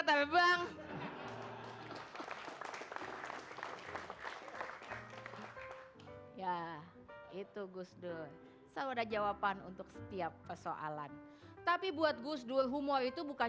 terbang ya itu gus dur selalu ada jawaban untuk setiap persoalan tapi buat gus dur humor itu bukan